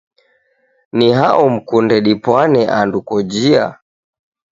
Ni hao mkunde dipwane andu kojia?